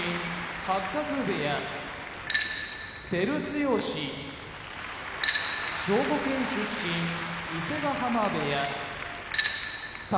八角部屋照強兵庫県出身伊勢ヶ濱部屋宝